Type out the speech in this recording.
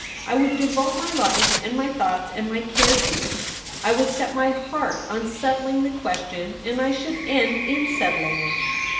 I would devote my life and my thoughts and my care to it. I would set my heart on settling the question ; and I should end in setding it.